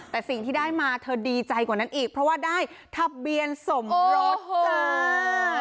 แต่สิ่งที่ได้มาเธอดีใจกว่านั้นอีกเพราะว่าได้ทะเบียนสมรสจ้า